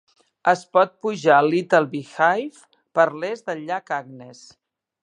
Es pot pujar al Little Beehive per l'est del llac Agnes.